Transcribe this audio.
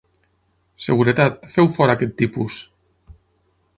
Seguretat, feu fora aquest tipus!